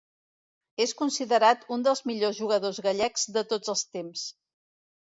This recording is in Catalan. És considerat un dels millors jugadors gallecs de tots els temps.